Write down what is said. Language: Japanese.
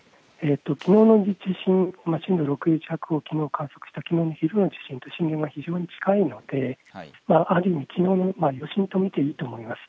きのうの地震、震度６弱をきのう観測したきのうの地震、震源が非常に近いのである意味、きのうの余震と見ていいと思います。